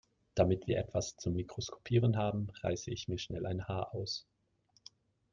Damit wir etwas zum Mikroskopieren haben, reiße ich mir schnell ein Haar aus.